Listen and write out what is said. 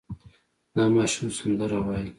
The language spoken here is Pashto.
دا ماشوم سندره وايي.